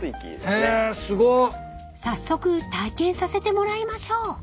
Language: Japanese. ［早速体験させてもらいましょう］